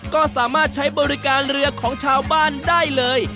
ก็สามารถใช้บริการเรือของชาวบ้านได้เลย